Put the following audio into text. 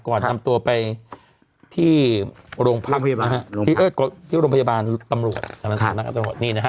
ก่อนทำตัวไปที่โรงพยาบาลตำรวจ